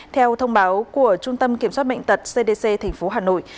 theo thông báo của trung tâm kiểm soát bệnh tật cdc tp hà nội